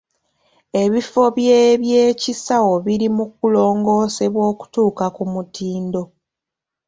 Ebifo by'ebyekisawo biri mu kulongoosebwa okutuuka ku mutindo.